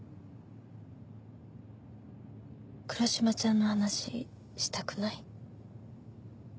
黒島ちゃんの話したくない？